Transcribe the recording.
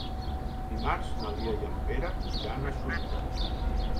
Dimarts na Lia i en Pere iran a Sorita.